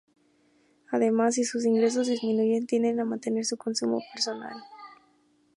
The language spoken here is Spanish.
Además, si sus ingresos disminuyen, tienden a mantener su consumo personal.